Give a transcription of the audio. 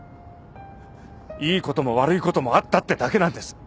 いいことも悪いこともあったってだけなんです。